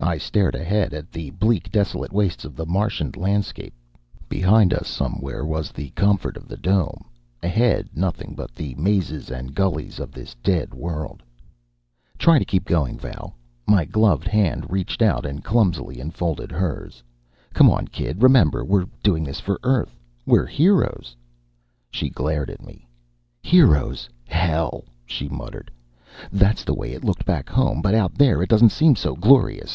I stared ahead at the bleak, desolate wastes of the Martian landscape. Behind us somewhere was the comfort of the Dome, ahead nothing but the mazes and gullies of this dead world. [Illustration: He was a cripple in a wheelchair helpless as a rattlesnake.] "Try to keep going, Val." My gloved hand reached out and clumsily enfolded hers. "Come on, kid. Remember we're doing this for Earth. We're heroes." She glared at me. "Heroes, hell!" she muttered. "That's the way it looked back home, but, out there it doesn't seem so glorious.